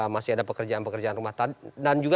masih ada pekerjaan pekerjaan rumah dan juga